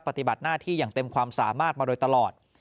ปฏิบัติหน้าที่อย่างเต็มความสามารถมาโดยตลอด